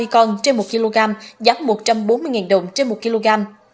hai mươi con trên một kg giá một trăm bốn mươi đồng trên một kg